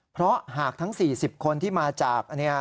เพราะหากทั้ง๔๐คนที่มาจาก